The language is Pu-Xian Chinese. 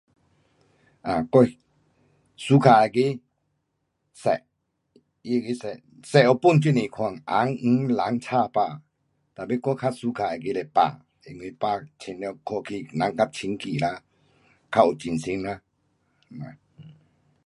um 我 suka 那个色，它那个色，色有分很多款，红，黄，蓝，青，白。tapi 我较 suka 那个是白。因为白清凉看起人较清洁啦，较有精神啦。